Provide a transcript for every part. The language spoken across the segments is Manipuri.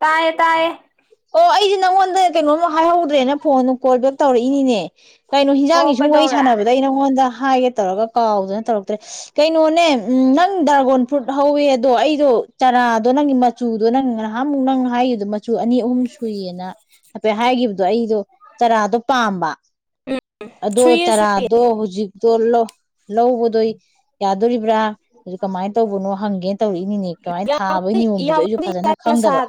ꯇꯥꯏꯌꯦ ꯇꯌꯦ ꯑꯣ ꯑꯩꯁꯦ ꯅꯪꯉꯣꯟꯗ ꯀꯩꯅꯣꯝ ꯍꯥꯏꯍꯧꯗ꯭ꯔꯦꯅ ꯐꯣꯟꯗꯨ ꯀꯣꯜ ꯕꯦꯛ ꯇꯧꯔꯛꯏꯅꯤꯅꯦ ꯀꯩꯅꯣ ꯑꯣ ꯍꯤꯟꯖꯥꯡꯒꯤ ꯁꯨꯡ ꯋꯥꯔꯤꯩ ꯀꯩꯗꯧꯔꯦ ꯁꯥꯟꯅꯕꯗ ꯑꯩ ꯅꯪꯉꯣꯟꯗ ꯍꯥꯏꯒꯦ ꯇꯧꯔꯒ ꯀꯥꯎꯗꯨꯅ ꯇꯧꯔꯛꯇ꯭ꯔꯦ ꯀꯩꯅꯣꯅꯦ ꯎꯝ ꯅꯪ ꯗ꯭ꯔꯥꯒꯣꯟ ꯐ꯭ꯔꯨꯠ ꯍꯧꯋꯦ ꯑꯗꯣ ꯑꯩꯗꯣ ꯆꯔꯥꯗꯣ ꯅꯪꯒꯤ ꯃꯆꯨꯗꯣ ꯅꯪꯒ ꯑꯃꯨꯛ ꯅꯪ ꯍꯥꯏꯗ ꯁꯨ ꯑꯅꯤ ꯑꯍꯨꯝ ꯁꯨꯏꯌꯦꯅ ꯍꯥꯏꯐꯦꯠ ꯍꯥꯏꯈꯤꯕꯗꯣ ꯑꯩꯗꯣ ꯆꯔꯥꯗꯣ ꯄꯥꯝꯕ ꯑꯗꯣ ꯁꯨꯏꯌꯦ ꯁꯨꯏꯌꯦ ꯆꯥꯔꯥꯗꯣ ꯍꯧꯖꯤꯛ ꯇꯣꯂꯣ ꯂꯧꯕꯗꯣ ꯌꯥꯗꯣꯔꯤꯕ꯭ꯔꯥ ꯑꯗꯨ ꯀꯃꯥꯏꯅ ꯇꯧꯕꯅꯣ ꯍꯪꯒꯦꯅ ꯇꯧꯔꯛꯏꯅꯤꯅꯦ ꯀꯃꯥꯏꯅ ꯊꯥꯕꯩ ꯅꯤꯌꯣꯝꯗꯨꯁꯨ ꯑꯩꯁꯨ ꯌꯥꯕꯨꯗꯤ ꯐꯖꯅ ꯈꯪꯗꯕ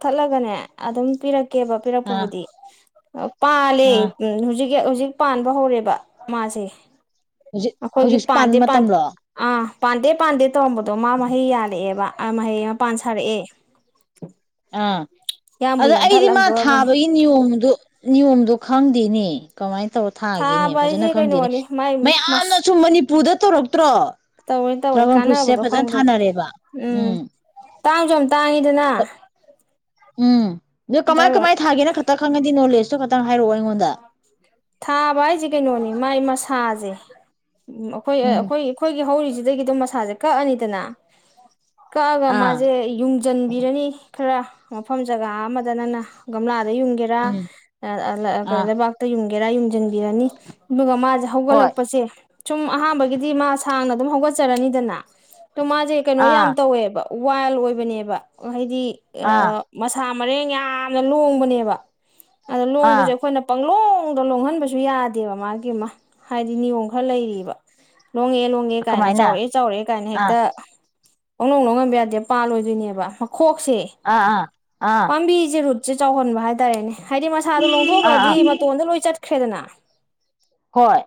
ꯀꯊꯠꯂꯒꯅꯦ ꯑꯗꯨꯝ ꯄꯤꯔꯛꯀꯦꯕ ꯑꯥ ꯄꯤꯔꯛꯄꯕꯨꯗꯤ ꯄꯥ ꯂꯩꯦ ꯑꯥ ꯍꯧꯖꯤꯛ ꯍꯧꯖꯤꯛ ꯄꯥꯟꯕ ꯍꯧꯔꯦꯕ ꯃꯥꯁꯦ ꯍꯧꯖꯤꯛ ꯑꯩꯈꯣꯏꯒꯤ ꯍꯧꯖꯤꯛꯁꯨ ꯄꯥꯟꯕ ꯄꯥꯟꯗꯦ ꯃꯇꯝꯂꯣ ꯑꯥ ꯄꯥꯟꯗꯦ ꯄꯥꯟꯗꯦ ꯇꯧꯔꯝꯕꯗꯣ ꯃꯥ ꯃꯍꯩ ꯌꯥꯅꯤ ꯁꯥꯔꯛꯑꯦꯕ ꯃꯍꯩ ꯃꯄꯥꯟ ꯁꯥꯔꯛꯑꯦ ꯑꯥ ꯌꯥꯝꯕꯨ ꯑꯗ ꯑꯩꯗꯤ ꯃꯥ ꯌꯥꯟꯊꯠꯂꯝꯗꯣꯔꯕꯅꯦ ꯊꯥꯕꯒꯤ ꯅꯤꯌꯣꯝꯗꯨ ꯅꯤꯌꯣꯝꯗꯣ ꯈꯪꯗꯦꯅꯦ ꯀꯃꯥꯏꯅ ꯇ ꯇ ꯊꯥꯈꯤꯅꯦ ꯊꯥꯕ ꯐꯖꯅ ꯍꯥꯏꯁꯦ ꯈꯪꯗꯦꯅꯦ ꯀꯩꯅꯣꯅꯤ ꯃꯥꯏ ꯃꯁ ꯃꯌꯥꯝꯅꯁꯨ ꯄꯨꯗ ꯇꯧꯔꯛꯇ꯭ꯔꯣ ꯇꯧꯋꯦ ꯇꯧꯋꯦ ꯗ꯭ꯔꯥꯒꯟ ꯐ꯭ꯔꯨꯠꯁꯦ ꯀꯥꯟꯅꯕꯗꯣ ꯐꯖꯅ ꯈꯪꯕꯗ ꯊꯥꯅꯔꯦꯕ ꯎꯝ ꯇꯥꯡꯁꯨ ꯌꯥꯝ ꯇꯥꯡꯉꯤꯗꯅ ꯎꯝ ꯅꯗꯣ ꯀꯃꯥꯏ ꯀꯃꯥꯏ ꯊꯥꯒꯦꯅ ꯈꯛꯇ ꯈꯪꯉꯗꯤ ꯅꯣꯂꯦꯖ ꯑꯁꯨ ꯈꯛꯇꯪ ꯍꯥꯏꯔꯛꯑꯣ ꯑꯩꯉꯣꯟꯗ ꯊꯥꯕ ꯍꯥꯏꯁꯦ ꯀꯩꯅꯣꯅꯤ ꯃꯥꯏ ꯃꯁꯥꯁꯦ ꯎꯝ ꯑꯩꯈꯣꯏ ꯎꯝ ꯑꯩꯈꯣꯏ ꯑꯩꯈꯣꯏꯒꯤ ꯍꯧꯔꯤꯁꯤ ꯑꯗꯨꯗꯒꯤ ꯑꯗꯨꯣ ꯃꯁꯥꯁꯦ ꯀꯛꯑꯅꯤꯗꯅ ꯀꯒ ꯑꯥ ꯃꯥꯖꯦ ꯌ ꯆꯟꯕꯤꯔꯅꯤ ꯈꯔ ꯃꯐꯝ ꯖꯒꯥ ꯑꯃꯗ ꯅꯪꯅ ꯒꯝꯂꯥ ꯎꯝ ꯑꯥ ꯦꯔ ꯦꯔ ꯌꯨꯝꯁꯤꯟꯕꯤꯔꯅꯤ ꯑꯗꯨꯒ ꯍꯣꯏ ꯍꯧꯒꯠꯂꯛ ꯑꯍꯥꯟꯕꯗꯤ ꯑꯗꯨꯝ ꯍꯧꯒꯠꯆꯔꯅꯤꯗꯅ ꯑꯗꯣ ꯃꯥꯁꯦ ꯀꯩꯅꯣ ꯑꯥ ꯌꯥꯝ ꯇꯧꯋꯦꯕ ꯋꯥꯏꯜ ꯑꯣꯏꯕꯅꯦꯕ ꯍꯥꯏꯗꯤ ꯑꯥ ꯑ ꯃꯁꯥ ꯃꯔꯦꯡ ꯌꯥꯝꯅ ꯂꯣꯡꯕꯅꯦꯕ ꯑꯗꯣ ꯂꯣꯡꯕꯁꯦ ꯑꯥ ꯑꯩꯈꯣꯏꯅ ꯄꯪꯂ ꯈꯨꯡꯗ ꯂꯣꯡꯍꯟꯕꯁꯨ ꯌꯥꯗꯦꯕ ꯃꯥꯒꯤ ꯑꯃ ꯍꯥꯏꯗꯤ ꯅꯤꯌꯣꯝ ꯈꯔ ꯂꯩꯔꯤꯕ ꯂꯣꯡꯉꯦ ꯂꯣꯡꯉꯦ ꯀꯥꯏꯅ ꯀꯃꯥꯏꯅ ꯆꯥꯎꯔꯛꯑꯦ ꯆꯥꯎꯔꯛꯑꯦ ꯀꯥꯏꯅ ꯑꯥ ꯍꯦꯛꯇ ꯀ ꯅꯧ ꯅ ꯉꯝꯕ ꯌꯥꯗꯦ ꯄꯥꯜꯂꯣꯏꯗꯣꯏꯅꯦꯕ ꯈꯣꯛꯁꯦ ꯑꯥ ꯑꯥ ꯑꯥ ꯄꯥꯝꯕꯤꯁꯦꯔꯨꯠ ꯆꯦ ꯆꯥꯎꯍꯟꯕ ꯍꯥꯏꯇꯥꯔꯦꯅꯦ ꯍꯥꯏꯗꯤ ꯃꯁꯥꯗꯣ ꯑꯥ ꯂꯣꯡꯊꯣꯛꯑꯗꯤ ꯑꯥ ꯑꯩꯏ ꯆꯠꯈ꯭ꯔꯦꯗꯅ ꯍꯣꯏ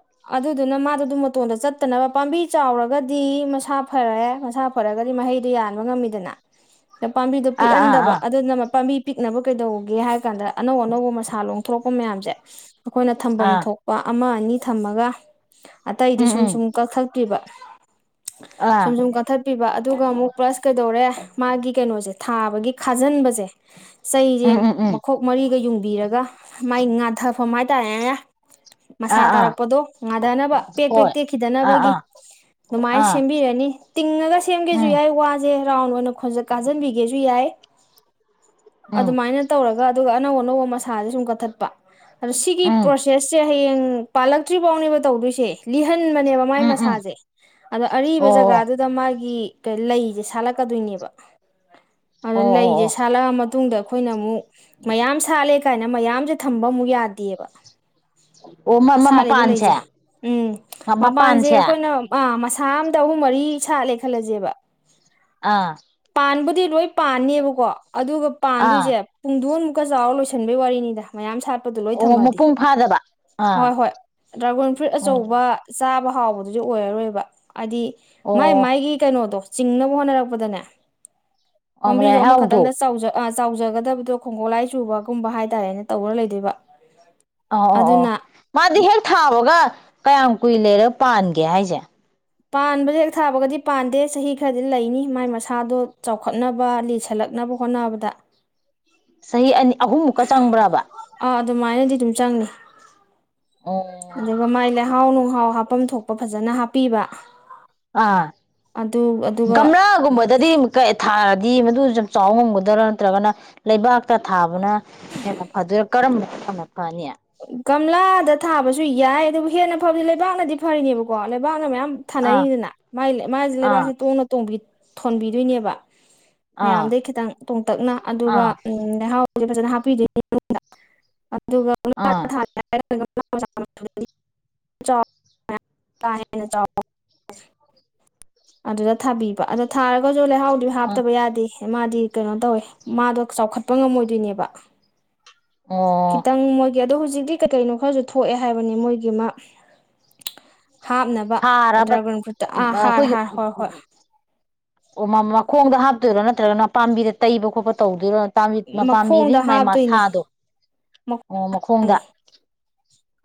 ꯑꯗꯨꯅ ꯃꯥꯗꯨ ꯑꯗꯨꯝ ꯃꯇꯣꯟꯗ ꯆꯠꯇꯅꯕ ꯄꯥꯝꯕꯤ ꯆꯥꯎꯔꯒꯗꯤ ꯃꯁꯥ ꯐꯔꯦ ꯃꯁꯥ ꯐꯔꯒꯗꯤ ꯃꯍꯩꯗꯨ ꯌꯥꯟꯕ ꯉꯝꯃꯤꯗꯅ ꯄꯥꯝꯕꯤꯗꯨ ꯑꯥ ꯑꯥ ꯄꯤꯛꯍꯟꯗꯕ ꯑꯥ ꯑꯗꯨꯅ ꯄꯥꯝꯕꯤ ꯄꯤꯛꯅꯕ ꯀꯩꯗꯧꯒꯦ ꯍꯥꯏꯕ ꯀꯥꯟꯗ ꯑꯅꯧ ꯑꯅꯧꯕ ꯃꯁꯥ ꯂꯣꯡꯊꯣꯔꯛꯄ ꯃꯌꯥꯝꯁꯦ ꯑꯩꯈꯣꯏꯅ ꯊꯝꯐꯝ ꯑꯥ ꯊꯣꯛꯄ ꯑꯃ ꯑꯅꯤ ꯊꯝꯃꯒ ꯑꯇꯩꯗꯤ ꯎꯝ ꯁꯨꯝ ꯎꯝ ꯁꯨꯝ ꯀꯛꯊꯠꯄꯤꯕ ꯑꯥ ꯁꯨꯝ ꯁꯨꯝ ꯀꯛꯊꯠꯄꯤꯕ ꯑꯗꯨꯒ ꯑꯃꯨꯛ ꯄ꯭ꯂꯁ ꯀꯩꯗꯧꯔꯦ ꯃꯥꯒꯤ ꯀꯩꯅꯣꯁꯦ ꯊꯥꯕꯒꯤ ꯈꯥꯖꯤꯟꯕꯁꯦ ꯆꯩꯁꯦ ꯎꯝ ꯎꯝ ꯎꯝ ꯃꯈꯣꯛ ꯃꯔꯤꯒ ꯌꯨꯡꯕꯤꯔꯒ ꯃꯥꯏ ꯉꯥꯙꯕ ꯁꯣꯃꯥꯏꯇ ꯑꯦ ꯑꯥ ꯃꯁꯥ ꯑꯥ ꯇꯥꯔꯛꯄꯗꯣ ꯉꯥꯊꯅꯕ ꯄꯦꯛ ꯍꯣꯏ ꯄꯦꯛ ꯑꯥ ꯇꯦꯛꯈꯤꯗꯅꯕꯒꯤ ꯑꯥ ꯑꯗꯨꯃꯥꯏꯅ ꯑꯥ ꯁꯦꯝꯕꯤꯔꯅꯤ ꯇꯤꯡꯉꯒ ꯁꯦꯝꯒꯦꯁꯨ ꯎꯝ ꯌꯥꯏ ꯋꯥꯁꯦ ꯔꯥꯎꯟ ꯑꯣꯏꯅ ꯀꯥꯁꯤꯟꯕꯤꯒꯦꯁꯨ ꯌꯥꯏ ꯎꯝ ꯑꯗꯨꯃꯥꯏꯅ ꯇꯧꯔꯒ ꯑꯗꯨꯒ ꯑꯅꯧ ꯑꯅꯧꯕ ꯃꯁꯥꯁꯦ ꯁꯨꯝ ꯀꯛꯊꯠꯄ ꯑꯗꯣ ꯁꯤꯒꯤ ꯎꯝ ꯄ꯭ꯔꯣꯁꯦꯁꯁꯦ ꯍꯌꯦꯡ ꯄꯥꯜꯂꯛꯇ꯭ꯔꯤ ꯐꯥꯎꯅꯦꯕ ꯇꯧꯗꯣꯏꯁꯦ ꯈꯟꯕꯅꯦꯕ ꯃꯥꯥꯏ ꯎꯝ ꯎꯝ ꯃꯁꯥꯁꯦ ꯑꯗꯣ ꯑꯔꯤꯕ ꯑꯣ ꯖꯒꯥꯗꯨꯗ ꯃꯥꯒꯤ ꯂꯩꯁꯦ ꯁꯥꯠꯂꯛꯀꯗꯣꯏꯅꯦꯕ ꯑꯗꯣ ꯑꯣ ꯑꯣ ꯑꯣ ꯂꯩꯁꯦ ꯁꯥꯠꯂꯛ ꯑꯃ ꯇꯗ ꯑꯩꯈꯣꯏꯅ ꯑꯃꯨꯛ ꯃꯌꯥꯝ ꯁꯥꯠꯂꯦ ꯀꯥꯏꯅ ꯃꯌꯥꯝꯁꯦ ꯊꯝꯕ ꯑꯃꯨꯛ ꯌꯥꯗꯦ ꯑꯕ ꯑꯣ ꯑꯣ ꯃ ꯁꯥꯠꯂꯤꯕ ꯃꯄꯥꯟꯁꯦ ꯂꯩꯁꯦ ꯎꯝ ꯃꯄꯥꯟꯁꯦ ꯑꯩꯈꯣꯏꯅꯁ ꯊꯥ ꯑꯝꯇ ꯑꯍꯨꯝ ꯃꯔꯤ ꯁꯥꯠꯂꯦ ꯈꯜꯂꯁꯦꯕ ꯑꯥ ꯄꯥꯟꯕꯕꯨꯗꯤ ꯂꯣꯏ ꯄꯥꯅꯦꯕꯀꯣ ꯑꯗꯨꯒ ꯑꯥ ꯄꯥꯟꯗꯣꯏꯁꯦ ꯄꯨꯡꯗꯣꯟꯃꯨꯛ ꯀ ꯆꯥꯎꯔ ꯂꯣꯏꯁꯤꯟꯕꯒꯤ ꯋꯥꯔꯤꯅꯤ ꯃꯌꯥꯝ ꯁꯥꯠꯄ ꯑꯣ ꯃꯄꯨꯡ ꯐꯥꯗꯕ ꯑꯥ ꯍ ꯐ ꯑꯣ ꯑ ꯊꯥꯎꯕꯗꯨꯗꯤ ꯑꯣꯏꯔꯔꯣꯏꯕ ꯍꯥꯏꯗꯤ ꯃꯥꯏ ꯑꯣ ꯃꯥꯏꯒꯤ ꯀꯩꯅꯣꯗꯣ ꯆꯤꯡꯅꯕ ꯍꯣꯠꯅꯔꯛꯄꯗꯅꯦ ꯑꯣ ꯄꯥꯝꯕꯤꯗꯨꯣ ꯂꯩꯍꯥꯎꯗꯣ ꯑꯃꯈꯛꯇꯪꯗ ꯆꯥꯎꯖꯠ ꯆꯥꯎꯖꯒꯗꯕꯗꯣ ꯈꯣꯡꯒꯣꯠꯂꯥꯏ ꯆꯨꯕꯒꯨꯝꯕ ꯍꯥꯏꯇꯥꯔꯦꯅ ꯇꯧꯔ ꯂꯩꯗꯣꯏꯕ ꯑ ꯑꯣ ꯑꯣ ꯑꯗꯨꯅ ꯃꯥꯗꯤ ꯍꯦꯛ ꯊꯥꯕꯒ ꯀꯌꯥꯝ ꯀꯨꯏ ꯂꯩꯔꯦ ꯄꯥꯟꯒꯦ ꯍꯥꯏꯁꯦ ꯄꯥꯟꯕꯁ ꯍꯦꯛ ꯊꯥꯕꯒꯗꯤ ꯄꯥꯟꯗꯦ ꯆꯍꯤ ꯈꯔꯗꯤ ꯂꯩꯅꯤ ꯃꯥꯏ ꯃꯁꯥꯗꯣ ꯆꯥꯎꯈꯠꯅꯕ ꯂꯤꯁꯜꯂꯛꯅꯕ ꯍꯣꯠꯅꯕꯗ ꯆꯍꯤ ꯑꯅꯤ ꯑꯍꯨꯝꯃꯨꯛꯀ ꯆꯪꯕ꯭ꯔꯕ ꯑꯥ ꯑꯗꯨꯃꯥꯏꯅꯗꯤ ꯑꯗꯨꯝ ꯆꯪꯉꯤ ꯑꯣ ꯑꯗꯨꯗꯕꯃꯥꯏꯂ ꯍꯥꯎꯅ ꯃꯍꯥꯎ ꯍꯥꯞꯐꯝꯝ ꯊꯣꯛꯄ ꯐꯖꯅ ꯍꯥꯞꯄꯤꯕ ꯑꯥ ꯑꯗꯨ ꯑꯗꯨꯒ ꯒꯝꯂꯥꯒꯨꯝꯕꯗꯗꯤ ꯊꯥꯔꯗꯤ ꯃꯗꯨ ꯌꯥꯝ ꯆꯥꯎꯕ ꯉꯝꯒꯗꯔꯥ ꯅꯠꯇ꯭ꯔꯒꯅ ꯂꯩꯕꯥꯛꯇ ꯊꯥꯕ ꯑꯗꯨꯅ ꯍ ꯑꯗꯨꯗ ꯀꯔꯝꯕ ꯎ ꯐꯅꯤꯌꯥ ꯀꯪꯂꯥꯗ ꯊꯥꯕꯁꯨ ꯌꯥꯏ ꯑꯗꯨꯕꯨ ꯍꯦꯟꯅ ꯐꯕꯗꯤ ꯂꯩꯕꯥꯛꯅꯗꯤ ꯐꯔꯤꯅꯦꯕꯀꯣ ꯂꯩꯕꯥꯛꯅ ꯃꯌꯥꯝ ꯑꯥ ꯊꯥꯅꯔꯤꯅꯤꯅꯒꯤ ꯃꯥꯁꯦ ꯑꯥ ꯂꯩꯕꯥꯛꯁꯦ ꯇꯣꯡꯅ ꯇꯣꯡꯕꯤ ꯊꯣꯟꯕꯤꯗꯣꯏꯅꯦꯕ ꯑꯥ ꯃꯌꯥꯝꯗꯒꯤꯩ ꯈꯤꯇꯪ ꯇꯣꯡꯇꯛꯅ ꯑꯗꯨꯒ ꯑꯥ ꯎ ꯂꯩꯍꯥꯎ ꯐꯖ ꯍꯥꯞꯄꯤꯗ ꯑꯗꯨ ꯑꯥ ꯦꯟꯅ ꯑꯗꯨꯗ ꯊꯥꯕꯤꯕ ꯑꯗ ꯊꯥꯔꯒ ꯑꯣ ꯂꯩꯍꯥꯎꯗꯤ ꯑꯥ ꯍꯥꯞꯇꯕ ꯌꯥꯗꯦ ꯃꯥꯗꯤ ꯀꯩꯅꯣ ꯇꯧꯋꯦ ꯃꯥꯗꯣ ꯆꯥꯎꯈꯠꯄ ꯉꯝꯃꯣꯏꯗꯣꯏꯅꯦꯕ ꯑꯣ ꯈꯤꯇꯪ ꯃꯣꯏꯒꯤ ꯑ ꯑꯗꯨ ꯍꯧ ꯍꯧꯖꯤꯛꯇꯤ ꯀꯩ ꯀꯩꯅꯣ ꯈꯔꯁꯨ ꯊꯣꯛꯑꯦ ꯍꯥꯏꯕꯅꯤ ꯃꯣꯏꯒꯤ ꯃꯥ ꯍꯥꯞꯅꯕ ꯍꯥꯔꯕ ꯗ꯭ꯔꯥꯒꯟ ꯒ꯭ꯔꯨꯞꯨꯞꯇ ꯑꯥ ꯍꯥꯔ ꯑꯩꯈꯣꯏꯒꯤ ꯍꯥꯔ ꯍꯣꯏ ꯍꯣꯏ ꯑꯣ ꯃꯈꯣꯡꯗ ꯍꯥꯞꯇꯣꯏꯔꯣ ꯅꯠꯇ꯭ꯔꯒꯅ ꯄꯥꯝꯕꯤꯗ ꯇꯩꯕ ꯈꯣꯠꯄ ꯇꯧꯗꯣꯏꯔꯣ ꯄꯥꯝꯕꯤꯔꯤ ꯃꯈꯣꯡꯗ ꯃꯥꯏ ꯍꯥꯞꯇꯣꯏꯅꯦ ꯃꯁꯥꯗꯣ ꯑꯣ ꯃꯈꯣꯡꯗ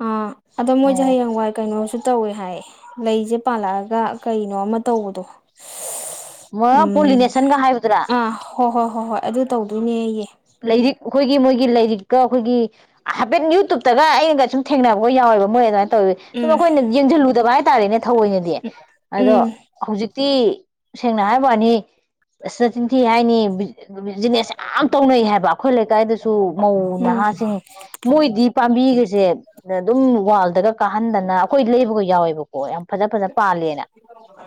ꯑꯥ ꯑꯗꯣ ꯃꯣꯏꯁꯦ ꯑꯣ ꯍꯌꯦꯡꯋꯥꯏ ꯀꯩꯅꯣ ꯇꯧꯋꯦ ꯍꯥꯏ ꯂꯩꯁꯦ ꯄꯥꯜꯂꯛꯑꯒ ꯀꯩꯅꯣ ꯑꯃ ꯇꯧꯕꯗꯣ ꯃꯣꯏ ꯎꯝ ꯄꯣꯂꯤꯅꯦꯁꯟꯒ ꯍꯥꯏꯕꯗꯨꯔꯥ ꯑ ꯍꯣ ꯍꯣ ꯍꯣ ꯍꯣꯏ ꯑꯗꯨ ꯇꯧꯗꯣꯏꯅꯦ ꯑꯩꯌꯦ ꯂꯔꯤꯛ ꯑꯩꯈꯣꯏꯒꯤ ꯃꯣꯏꯒꯤ ꯂꯥꯏꯔꯤꯛꯀ ꯑꯩꯈꯣꯏꯒꯤ ꯍꯥꯏꯐꯦꯠ ꯌꯨꯇꯨꯞꯇꯒ ꯑꯩꯅꯒ ꯁꯨꯝ ꯊꯦꯡꯅꯕꯒ ꯌꯥꯎꯋꯦꯕ ꯃꯣꯏꯦ ꯑꯗꯨꯃꯥꯏꯅ ꯇꯧꯋꯤ ꯁꯨꯝ ꯎꯝ ꯑꯩꯈꯣꯏꯅ ꯌꯦꯡꯁꯤꯜꯂꯨꯗꯕ ꯍꯥꯏꯇꯥꯔꯦꯅꯦ ꯊꯑꯣꯏꯅꯗꯤ ꯑꯗꯣ ꯎꯝ ꯍꯧꯖꯤꯛꯇꯤ ꯁꯦꯡꯅ ꯍꯥꯏꯕꯅꯤ ꯇꯤꯟ ꯊꯤ ꯍꯥꯏꯅꯤ ꯅꯤꯁ [unintelligible] ꯇꯧꯅꯩ ꯍꯥꯏꯕ ꯑꯩꯈꯣꯏ ꯂꯩꯀꯥꯏꯗꯁꯨ ꯃꯧ ꯎꯝ ꯅꯍꯥꯁꯤꯡ ꯃꯣꯏꯗꯤ ꯄꯥꯝꯕꯤꯒꯁꯦ ꯑꯗꯨꯝ ꯋꯥꯜꯗꯒ ꯀꯥꯍꯟꯗꯅ ꯑꯩꯈꯣꯏ ꯂꯩꯕꯒ ꯌꯥꯎꯋꯦꯕꯀꯣ ꯌꯥꯝ ꯐꯖ ꯐꯖ ꯄꯥꯜꯂꯦꯅ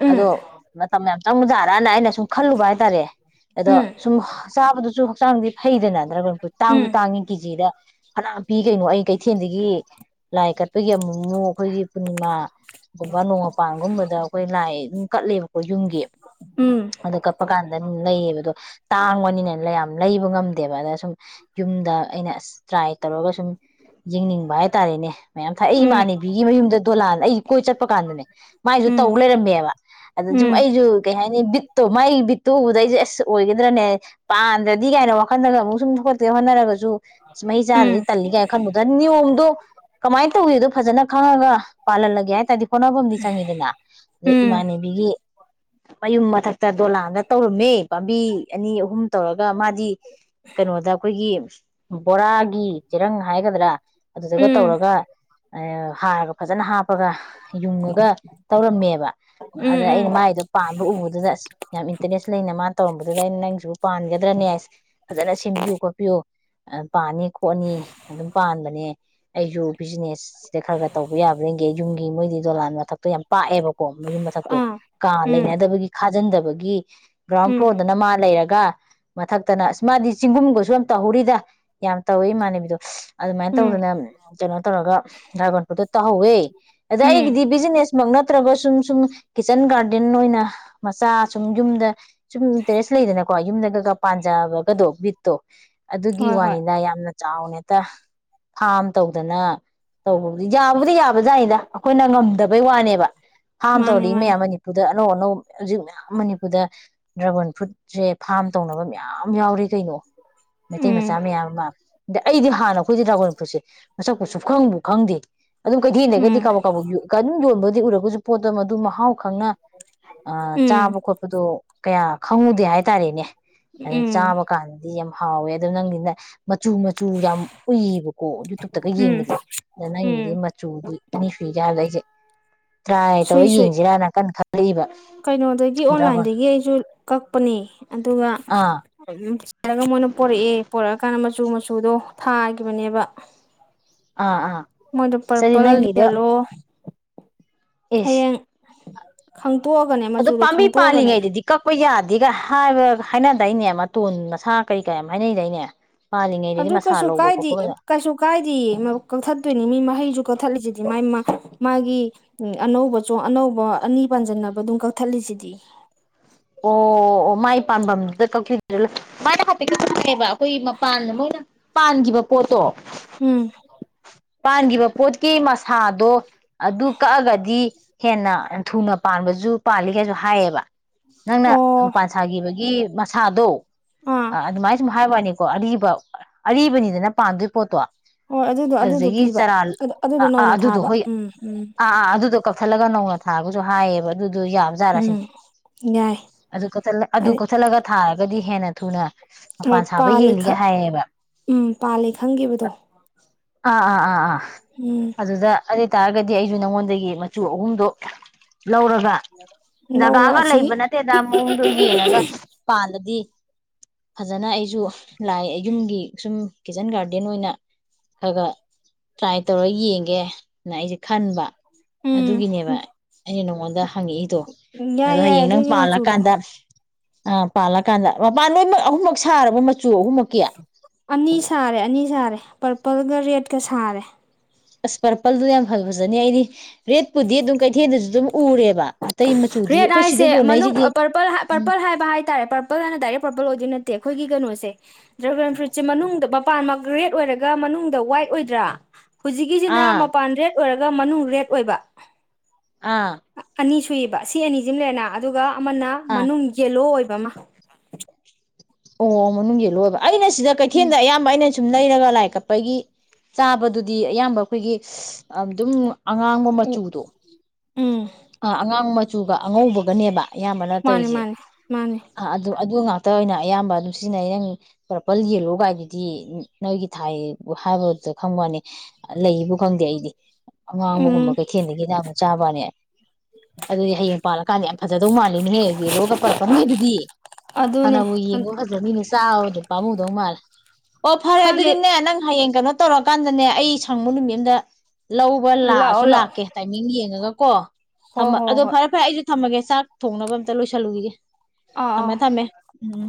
ꯎꯝ ꯑꯗꯣ ꯃꯇꯝ ꯌꯥꯝ ꯆꯪꯕꯖꯥꯠꯔꯅ ꯑꯩꯅ ꯁꯨꯝ ꯈꯜꯂꯨꯕ ꯍꯥꯏꯇꯥꯔꯦ ꯑꯗꯣ ꯎꯝ ꯁꯨꯝ ꯆꯥꯕꯗꯨꯁꯨ ꯍꯛꯆꯥꯡꯗꯤ ꯐꯩꯗꯅꯠꯇ꯭ꯔꯒ ꯑꯩ ꯇꯥꯡꯁꯨ ꯎꯝ ꯇꯥꯡꯉꯤ ꯀꯦꯖꯤꯗ ꯐꯅꯥ ꯄꯤ ꯀꯩꯅꯣ ꯑꯩ ꯀꯩꯊꯦꯜꯗꯒꯤ ꯂꯥꯏ ꯀꯠꯄꯒꯤ ꯑꯃꯨꯛꯃꯨꯛ ꯑꯩꯈꯣꯏꯒꯤ ꯄꯨꯔꯅꯤꯃꯥꯒꯨꯝꯕ ꯅꯣꯡꯃꯄꯥꯟꯒꯨꯝꯕꯗ ꯑꯩꯈꯣꯏ ꯂꯥꯏ ꯑꯗꯨꯝ ꯀꯠꯂꯦꯕ ꯌꯨꯝꯒꯤ ꯎꯝ ꯑ ꯀꯞꯄ ꯀꯥꯟꯗ ꯂꯩꯌꯦꯕꯗꯣ ꯇꯥꯡꯕꯅꯤꯅꯦꯅ ꯂꯩ ꯌꯥꯝ ꯇ ꯁꯨꯝ ꯌꯦꯡꯅꯤꯡꯕ ꯍꯥꯏꯇꯥꯔꯦꯅꯦ ꯃꯌꯥꯝ ꯊꯥꯏ ꯑꯩ ꯎꯝ ꯏꯃꯥꯟꯅꯕꯤꯒꯤ ꯃꯌꯨꯝꯗ ꯗꯣꯂꯥ ꯀꯣꯏ ꯆꯠꯄ ꯀꯥꯟꯗꯅꯦ ꯃꯥꯏꯁꯨ ꯎꯝ ꯇꯧ ꯂꯩꯔꯝꯃꯦꯕ ꯑꯗ ꯁꯨꯝ ꯎꯝ ꯑꯩꯁꯨ ꯀꯩ ꯍꯥꯏꯅꯤ ꯕꯤꯠꯇꯣ ꯃꯥꯏ ꯕꯤꯠꯇꯨ ꯎꯕꯗ ꯑꯩꯁꯦ ꯑꯁ ꯑꯣꯏꯒꯗ꯭ꯔꯅꯦ ꯄꯥꯟ ꯗꯤ ꯀꯥꯏꯅ ꯋꯥꯈꯜꯗꯒ ꯑꯃꯨꯛ ꯁꯨꯝ ꯍꯣꯠꯅꯔꯒꯁꯨ ꯑ ꯃꯍꯤ ꯆꯥꯗꯗꯤ ꯇꯜꯂꯤ ꯀꯥꯏꯅ ꯈꯟꯕꯗꯣ ꯅꯤꯌꯣꯝꯗꯣ ꯀꯃꯥꯏꯅ ꯇꯧꯒꯦꯗꯣ ꯐꯖꯅ ꯈꯡ ꯉꯒꯥ ꯄꯥꯜꯍꯜꯂꯒꯦ ꯍꯥꯏ ꯇꯥꯔꯗꯤ ꯈꯣꯠꯅꯐꯝꯗꯤ ꯆꯪꯉꯤꯗꯅ ꯑꯗ ꯎꯝ ꯏꯃꯥꯟꯅꯕꯤꯒꯤ ꯃꯌꯨꯝ ꯃꯊꯛꯇ ꯗꯣꯂꯥꯟꯗ ꯇꯧꯔꯝꯃꯤ ꯄꯥꯝꯕꯤ ꯑꯅꯤ ꯑꯍꯨꯝ ꯇꯧꯔꯒ ꯃꯥꯗꯤ ꯀꯩꯅꯣꯗ ꯑꯩꯈꯣꯏꯒꯤ ꯕꯣꯔꯥꯒꯤ ꯆꯤꯔꯪ ꯍꯥꯏꯒꯗ꯭ꯔꯥ ꯎꯝ ꯑꯗꯨꯗꯨꯒ ꯎꯝ ꯇꯧꯔꯒ ꯍꯥꯔꯒ ꯐꯖꯅ ꯍꯥꯞꯄꯒ ꯌꯨꯡꯉꯒ ꯇꯧꯔꯝꯃꯦꯕ ꯑꯗ ꯎꯝ ꯑꯩꯅ ꯎꯝ ꯃꯥꯏꯗꯣ ꯄꯥꯟꯕ ꯎꯕꯗꯨꯗ ꯑꯁ ꯌꯥꯝꯅ ꯏꯟꯇꯔꯦꯁ ꯂꯩꯅ ꯃꯥ ꯇꯧꯔꯝꯕꯗꯨꯗ ꯑꯩꯅ ꯅꯪꯁꯨꯕꯨꯥꯟꯒ ꯟ ꯗ꯭ꯔꯅꯦꯁ ꯐꯖꯅ ꯁꯦꯝꯕꯤꯌꯨ ꯈꯣꯠꯄꯤꯌꯨ ꯄꯥꯅꯤ ꯈꯣꯠꯅꯤ ꯑꯗꯨꯝ ꯄꯥꯟꯕꯅꯦ ꯑꯩꯁꯨ ꯕꯤꯖꯤꯅꯦꯁ ꯁꯤꯗ ꯈꯔ ꯈꯔ ꯇꯧꯕ ꯌꯥꯕꯒꯤ ꯌꯨꯝꯒꯤ ꯃꯣꯏꯗꯤ ꯗꯣꯂꯥꯟ ꯃꯊꯛꯇꯣ ꯌꯥꯝ ꯄꯥꯛꯑꯦꯕꯀꯣ ꯀꯣ ꯃꯌꯨꯝ ꯃꯊꯛꯇꯣ ꯑꯥ ꯀꯥ ꯎꯝ ꯂꯩꯅꯗꯕꯒꯤ ꯈꯥꯖꯤꯟꯗꯕ ꯑꯃꯒꯤꯒꯤ ꯒ꯭ꯔꯥꯎꯟ ꯎꯝ ꯐ꯭ꯂꯣꯔꯗꯅ ꯃꯥ ꯂꯩꯔꯒ ꯃꯊꯛꯇꯅꯃꯥꯗꯤ ꯆꯤꯡꯒꯨꯝꯒꯁꯨ ꯌꯥꯝ ꯇꯧꯍꯧꯔꯤꯗ ꯌꯥꯝ ꯇꯧꯋꯦ ꯏꯃꯥꯟꯅꯕꯤꯗꯣ ꯑꯗꯨꯃꯥꯏꯅ ꯎꯝ ꯇꯧꯗꯅ ꯀꯩꯅꯣ ꯇꯧꯔꯒ ꯗ꯭ꯔꯥꯒꯣꯟ ꯐ꯭ꯔꯨꯠꯇꯣ ꯇꯥꯍꯧꯋꯦ ꯑꯗ ꯎꯝ ꯑꯩꯒꯤꯗꯤ ꯕꯤꯖꯤꯅꯦꯁꯃꯛ ꯅ ꯅꯠꯇ꯭ꯔꯒ ꯁꯨꯝ ꯁꯨꯝ ꯀꯤꯠꯆꯟ ꯒꯥꯔꯗꯦꯟ ꯑꯣꯏꯅ ꯃꯆꯥ ꯁꯨꯝ ꯌꯨꯝꯗ ꯁꯨꯝ ꯇꯦꯔꯦꯁ ꯂꯩꯗꯅꯀꯣ ꯌꯨꯝꯗꯒ ꯄꯥꯟꯖꯕꯒꯗꯣ ꯕꯤꯠꯇꯣ ꯑꯗꯨꯒꯤ ꯍꯣꯏ ꯍꯣꯏ ꯋꯥꯅꯤꯗ ꯌꯥꯝꯅ ꯆꯥꯎꯅꯦꯇ ꯐꯥꯝ ꯇꯧꯗꯅ ꯇꯧꯕꯕꯨꯗꯤ ꯌꯥꯕꯨꯗꯤ ꯌꯥꯕꯖꯏꯗ ꯑꯩꯈꯣꯏꯅ ꯉꯝꯗꯕꯩ ꯋꯥꯅꯦꯕ ꯐꯥꯝ ꯃꯥꯅꯦ ꯇꯧꯔꯏ ꯃꯥꯅꯦ ꯃꯌꯥꯝ ꯃꯅꯤꯄꯨꯔꯗ ꯑꯅꯧ ꯑꯅꯧ ꯍꯧꯖꯤꯛ ꯃꯌꯥꯝ ꯃꯅꯤꯄꯨꯔꯗ ꯗ꯭ꯔꯥꯒꯟ ꯐ꯭ꯔꯨꯠꯁꯦ ꯐꯥꯔꯝ ꯇꯧꯅꯕ ꯌꯥꯝ ꯌꯥꯎꯔꯦ ꯀꯩꯅꯣ ꯃꯩꯇꯩ ꯃꯆꯥ ꯎꯝ ꯃꯌꯥꯝ ꯑꯃ ꯑꯗ ꯑꯩꯗꯤ ꯍꯥꯟꯅ ꯑꯩꯈꯣꯏꯗꯤ ꯔꯥꯒꯜ ꯁꯦ ꯃꯁꯛꯄꯨ ꯁꯨꯞꯈꯪꯕꯨ ꯈꯪꯗꯦ ꯑꯗꯨꯝ ꯀꯩꯊꯦꯜꯗꯒꯗꯤ ꯎꯝ ꯀꯥꯕꯨ ꯀꯕꯨ ꯑꯗꯨꯝ ꯌꯣꯟꯕꯗꯤ ꯎꯔ ꯄꯣ ꯃ ꯃꯍꯥꯎ ꯈꯪꯅ ꯎꯝ ꯆꯥꯕ ꯈꯣꯠꯄꯗꯣ ꯀꯌꯥ ꯈꯪꯉꯨꯗꯦ ꯍꯥꯏꯇꯥꯔꯦꯅꯦ ꯑ ꯎꯝ ꯆꯥꯕꯀꯥꯟꯗ ꯍꯥꯎꯋꯦ ꯑꯗꯨꯣ ꯅꯪꯒꯤꯅ ꯃꯆꯨ ꯃꯆꯨ ꯌꯥꯝ ꯎꯏꯌꯦꯕꯀꯣ ꯌꯨꯇꯨꯨꯞꯇꯒ ꯎꯝ ꯌꯦꯡꯕꯗꯤ ꯑꯗꯨꯗ ꯅꯪꯒꯤꯗꯤ ꯎꯝ ꯃꯆꯨꯗꯤ ꯑꯅꯤ ꯁꯨꯏ ꯀꯗ ꯑꯩꯁꯦ ꯇ꯭ꯔꯥꯏ ꯇꯧꯔ ꯁꯨꯏ ꯁꯨꯏ ꯌꯦꯡꯁꯤꯔꯅ ꯀꯟꯅ ꯈꯜꯂꯛꯏꯕ ꯀꯩꯅꯣꯗꯒꯤ ꯗ꯭ꯔꯥꯒꯣꯟ ꯑꯣꯟꯂꯥꯏꯟꯗꯒꯤ ꯑꯩꯁꯨ ꯀꯛꯄꯅꯦ ꯑꯗꯨꯒ ꯑꯥ ꯎ ꯍꯥꯏꯔꯒ ꯃꯣꯏꯅ ꯄꯣꯔꯛꯑꯦ ꯄꯣꯔꯛꯑ ꯀꯥꯟꯗ ꯃꯆꯨ ꯃꯆꯨ ꯁꯨꯗꯣ ꯊꯥꯈꯤꯕꯅꯦꯕ ꯑꯥ ꯑꯥ ꯃꯣꯏꯗꯦ ꯁꯤꯗꯤ ꯄꯔꯄꯜ ꯅꯪꯒꯤꯗꯣ ꯌꯦꯂꯣ ꯏꯁ ꯍꯌꯦꯡ ꯈ ꯑꯗꯣ ꯄꯥꯝꯕꯤ ꯄꯥꯜꯂꯤꯉꯩꯗꯗꯤ ꯀꯛꯄ ꯌꯥꯗꯦ ꯑꯗꯨꯒ ꯍꯥꯏꯕꯒ ꯍꯥꯏꯅꯗꯏꯅꯦ ꯃꯇꯣꯟ ꯃꯁꯥ ꯀꯔꯤ ꯀꯔꯤ ꯍꯥꯏꯅꯩꯗꯅꯦ ꯑꯗꯨ ꯀꯩꯁꯨ ꯀꯥꯏꯗꯦ ꯀꯩꯁꯨ ꯀꯥꯏꯗꯦ ꯀꯛꯊꯠꯇꯣꯏꯅꯤ ꯃꯤ ꯃꯍꯩꯁꯨ ꯀꯛꯊꯠꯂꯤꯁꯤꯗꯤ ꯃꯥꯥꯏ ꯃꯥꯒꯤ ꯑꯅꯧꯕ ꯆꯣ ꯑꯅꯧꯕ ꯑꯅꯤ ꯄꯥꯟꯁꯤꯟꯅꯕ ꯑꯗꯨꯝ ꯀꯛꯊꯠꯂꯤꯁꯤꯗꯤ ꯑꯣ ꯑꯣ ꯃꯥꯏ ꯄꯥ ꯀ ꯃꯥꯅ ꯍꯥꯏꯐꯦꯠꯁꯨꯪ ꯍꯥꯏꯑꯕ ꯑꯩꯈꯣꯏ ꯃꯄꯥꯟꯗ ꯃꯣꯏꯅ ꯄꯥꯟ ꯀꯣꯠꯇꯣ ꯎꯝ ꯄꯥꯟꯈꯤꯕ ꯄꯣꯠꯀꯤ ꯃꯁꯥꯗꯣ ꯑꯗꯨ ꯀꯛꯑꯒꯗꯤ ꯍꯦꯟꯅ ꯊꯨꯅ ꯄꯥꯟꯕꯁꯨ ꯄꯥꯜꯂꯤꯒꯩꯁꯨ ꯍꯥꯏꯌꯦꯕ ꯅꯪꯅ ꯑꯣ ꯅꯨꯄꯥꯥꯟ ꯁꯥꯈꯤꯕꯒꯤ ꯃꯁꯥꯗꯣ ꯑꯥ ꯑ ꯑꯗꯨꯃꯥꯏꯅ ꯁꯨꯝ ꯍꯥꯏꯕꯅꯤ ꯀꯣ ꯑꯔꯤꯕ ꯑꯔꯤꯕꯅꯤꯗꯅ ꯄꯥꯟꯗꯣꯏ ꯄꯣꯠꯇꯣ ꯍꯣꯏ ꯑꯗꯨꯗꯣ ꯑꯗꯨꯗꯣ ꯑꯗꯨꯒꯤ ꯄꯤꯕ ꯇꯔꯜ ꯑꯗꯨ ꯑꯗꯨꯗꯣ ꯅꯧꯅ ꯑꯗꯨꯗꯣ ꯊꯥꯕ ꯍꯣꯏ ꯎꯝ ꯎꯝ ꯑ ꯑꯗꯨꯗꯣ ꯀꯛꯊꯠꯂꯒ ꯅꯧꯅ ꯊꯥꯕꯁꯨ ꯍꯥꯏꯌꯦꯕ ꯑꯗꯨ ꯑꯗꯨ ꯌꯥꯕ ꯎꯝ ꯌꯥꯥꯔꯁꯤꯅꯦ ꯌꯥꯏ ꯑꯗꯨ ꯑꯗꯨ ꯍꯥꯏꯗꯤ ꯀꯣꯊꯜꯂꯒ ꯊꯥꯔꯒꯗꯤ ꯍꯦꯟꯅ ꯊꯨꯅ ꯍꯣꯏ ꯃꯄꯥꯟ ꯁꯥꯕ ꯄꯥꯜꯂꯤ ꯍꯦꯜꯂꯤꯒ ꯍꯥꯏꯌꯦꯕ ꯎꯝ ꯄꯥꯜꯂꯤ ꯈꯪꯈꯤꯕꯗꯣ ꯑꯥ ꯑꯥ ꯑꯥ ꯑꯥ ꯎꯝ ꯑꯗꯨꯗ ꯑꯗꯨ ꯑꯣꯏ ꯇꯥꯔꯒꯗꯤ ꯑꯩꯁꯨ ꯅꯪꯉꯣꯟꯗꯒꯤ ꯃꯆꯨ ꯑꯍꯨꯝꯗꯣ ꯂꯧꯔꯒ ꯂꯧ ꯂꯧ ꯖꯒꯥꯒ ꯑꯁꯤꯒꯤ ꯂꯩꯕ ꯅꯠꯇꯦꯗ ꯃꯑꯣꯡꯗꯣ ꯌꯦꯡꯉꯒ ꯄꯥꯜꯂꯗꯤ ꯐꯖꯅ ꯑꯩꯁꯨ ꯂꯥꯛꯑ ꯌꯨꯝꯒꯤ ꯁꯨꯝ ꯀꯤꯠꯆꯟ ꯒꯥꯔꯗꯦꯟ ꯑꯣꯏꯅ ꯈꯔ ꯈ ꯇ꯭ꯔꯥꯏ ꯇꯧꯔ ꯌꯦꯡꯒꯦꯅ ꯑꯩꯁꯦ ꯈꯟꯕ ꯎꯝ ꯑꯗꯨꯒꯤꯅꯦꯕ ꯑꯩꯅ ꯑꯣꯗ ꯍꯪꯉꯛꯏꯗꯣ ꯌꯥꯏ ꯑꯗꯣ ꯌꯥꯏ ꯍꯌꯦꯡ ꯅꯪ ꯑꯗꯨꯒꯤ ꯃꯆꯨꯗꯣ ꯄꯥꯜꯂꯀꯥꯟꯗ ꯑ ꯄꯂ ꯀꯥꯗ ꯃꯄꯥꯟꯣꯏꯃꯛ ꯑꯍꯨꯝꯃꯛ ꯁꯥꯔꯕꯣꯏ ꯆꯍ ꯃꯀꯤꯌꯥ ꯑꯅꯤ ꯁꯥꯔꯦ ꯑꯅꯤ ꯁꯥꯔꯦ ꯄꯔꯄꯜꯒ ꯔꯦꯗꯀ ꯁꯥꯔꯦ ꯑꯁ ꯄꯔꯄꯜꯗꯨꯗꯤ ꯌꯥꯝ ꯐ ꯐꯖꯅꯤ ꯑꯩꯗꯤ ꯔꯦꯠꯄꯨꯗꯤ ꯑꯗꯨꯝ ꯀꯩꯊꯦꯜꯗꯁꯨ ꯑꯗꯨꯝ ꯎꯔꯦꯕ ꯑꯇꯩ ꯃꯆꯨꯗꯤ ꯔꯦꯠ ꯑꯩꯈꯣꯏ ꯁꯤꯗ ꯍꯥꯏꯁꯦ ꯃꯅꯨꯡ ꯌꯣꯟꯅꯩꯁꯤꯗꯤ ꯄꯔꯄꯜ ꯎꯝ ꯄꯔꯄꯜ ꯍꯥꯏꯕ ꯍꯥꯏꯇꯥꯔꯦ ꯄꯔꯄꯜ ꯍꯥꯏꯅ ꯗꯥꯏꯔꯦꯛ ꯄꯔꯄꯜ ꯑꯣꯏꯗꯣꯏ ꯅꯠꯇꯦ ꯑꯩꯈꯣꯏꯒꯤ ꯀꯩꯅꯣꯁꯦ ꯗ꯭ꯔꯥꯒꯟ ꯐ꯭ꯔꯨꯏꯠꯁꯦ ꯃꯅꯨꯡꯗ ꯃꯄꯥꯟꯃꯛ ꯔꯦꯗ ꯑꯣꯏꯔꯒ ꯃꯅꯨꯡꯗ ꯋꯥꯏꯠ ꯑꯣꯏꯗ꯭ꯔꯥ ꯍꯧꯖꯤꯛꯀꯤꯁꯤꯅ ꯑꯥ ꯃꯄꯥꯟꯗꯦ ꯑꯣꯏꯔꯒ ꯃꯅꯨꯡ ꯔꯦꯠ ꯑꯣꯏꯕ ꯑꯥ ꯑꯅꯤ ꯁꯨꯏꯕ ꯁꯤ ꯑꯅꯤꯁꯤꯃ ꯂꯩꯔꯦꯅ ꯑꯗꯨꯒ ꯑꯃꯅ ꯑꯥ ꯃꯅꯨꯡ ꯌꯦꯂꯣ ꯑꯣꯏꯕ ꯃ ꯑꯣ ꯃꯅꯨꯡ ꯌꯦꯜꯂꯨ ꯑꯣꯏꯕ ꯑꯩꯅ ꯁꯤꯗ ꯎꯝ ꯀꯩꯊꯦꯜꯗ ꯑꯌꯥꯝꯕ ꯑꯩꯅ ꯁꯨꯝ ꯂꯩꯔꯒ ꯂꯥꯏ ꯀꯞꯄꯒꯤ ꯆꯥꯕꯗꯨꯗꯤ ꯑꯌꯥꯝꯕ ꯑꯩꯈꯣꯏꯒꯤ ꯑꯗꯨꯝ ꯑꯉꯥꯡꯕ ꯎ ꯃꯆꯨꯗꯣ ꯎꯝ ꯑꯥ ꯑꯉꯥꯡ ꯃꯆꯨꯒ ꯑꯉꯧꯕꯒꯅꯦꯕ ꯑꯌꯥꯝꯕꯅ ꯃꯥꯅꯦ ꯇꯧꯔꯤꯁꯦ ꯃꯥꯅꯦ ꯃꯥꯅꯦ ꯑꯥ ꯑꯗꯨ ꯑꯗꯨ ꯉꯥꯛꯇ ꯑꯣꯏꯅ ꯑꯌꯥꯝꯕ ꯑꯗꯨꯝ ꯁꯤꯖꯤꯟꯅꯩ ꯅꯪ ꯄꯨꯔꯛꯄ ꯌꯦꯜꯂꯣ ꯀꯥꯏꯗꯨꯗꯤ ꯅꯣꯏꯒꯤ ꯊꯥꯏ ꯍꯥꯏꯕꯗꯨꯗ ꯈꯪꯕꯅꯤ ꯂꯩꯕꯨ ꯈꯪꯗꯦ ꯑꯩꯗꯤ ꯎꯝ ꯑꯉꯥꯡꯕꯒꯨꯝꯕ ꯀꯩꯊꯦꯜꯗꯒꯤꯅ ꯌꯥꯝꯅ ꯆꯥꯕꯅꯦ ꯑꯗꯨꯗꯤ ꯍꯌꯦꯡ ꯄꯥꯜꯂꯀꯥꯟꯗ ꯌꯥꯝ ꯐꯖꯗꯧ ꯃꯥꯜꯂꯤꯅꯦꯍꯦ ꯌꯦꯜꯂꯣꯒ ꯄꯔꯛꯄꯅꯦ ꯑꯗꯨꯗꯤ ꯑꯗꯨꯅꯦ ꯍꯥꯟꯅꯕꯨ ꯌꯦꯡꯉꯣ ꯐꯖꯕ ꯃꯤꯅꯦ ꯆꯥꯎꯥ ꯅꯨꯄꯥꯃꯨꯧꯗꯧ ꯃꯥꯜꯂꯦ ꯑꯣ ꯐꯔꯦ ꯈꯪꯗꯦ ꯑꯗꯨꯗꯤꯅꯦ ꯅꯪ ꯍꯌꯦꯡ ꯀꯩꯅꯣ ꯇꯧꯔꯀꯥꯟꯗꯅꯦ ꯑꯩ ꯁꯪꯕ ꯅꯨꯃꯤꯠ ꯑꯃꯗ ꯂꯧꯕ ꯂꯥꯛꯑꯁꯨ ꯂꯥꯛꯑꯣ ꯂꯥꯛꯑꯣ ꯂꯥꯛꯀꯦ ꯇꯥꯏꯃꯤꯡ ꯌꯦꯡꯉꯒ ꯀꯣ ꯍꯣ ꯊꯝꯃ ꯍꯣ ꯑꯗꯣ ꯍꯣꯏ ꯐꯔꯦ ꯐꯔꯦ ꯑꯩꯁꯨ ꯊꯝꯃꯒꯦ ꯆꯥꯛ ꯊꯣꯡꯅꯕ ꯑꯝꯇ ꯂꯣꯏꯁꯜꯂꯨꯈꯤꯒꯦ ꯑꯥ ꯊꯝꯃꯦ ꯑꯥ ꯊꯝꯃꯦ ꯎꯝ